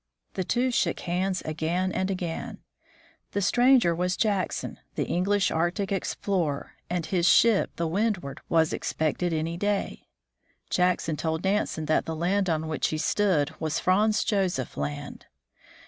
The two shook hands again and again. The stranger was Jackson, the English Arctic explorer, and his ship, the THE VOYAGE OF THE FRAM 131 Windward, was expected every day. Jackson told Nansen that the land on which he stood was Franz Josef land.